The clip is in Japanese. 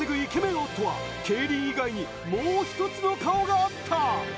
夫は競輪以外にもう一つの顔があった。